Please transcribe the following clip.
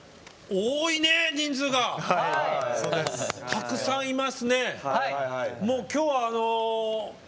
たくさんいますね。